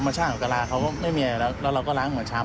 ตัวธรรมชาติของกะลาเขาก็ไม่มีอะไรแล้วเราก็ล้างเหมือนชาม